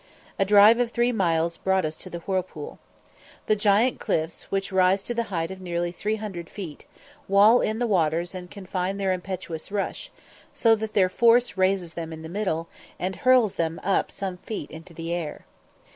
A drive of three miles brought us to the whirlpool. The giant cliffs, which rise to the height of nearly 300 feet, wall in the waters and confine their impetuous rush, so that their force raises them in the middle, and hurls them up some feet in the air.